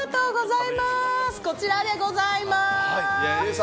こちらでございます。